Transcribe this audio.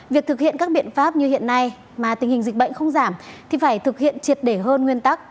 việc thực hiện các biện pháp như hiện nay mà tình hình dịch bệnh không giảm thì phải thực hiện triệt để hơn nguyên tắc